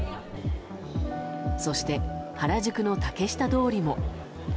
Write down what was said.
そして、原宿の竹下通りも。